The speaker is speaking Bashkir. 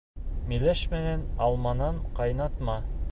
Миләш менән алманан ҡайнатма